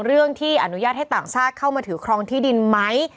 เรื่องที่อนุญาตให้ต่างชาติเข้ามาถือครองที่ดินไหม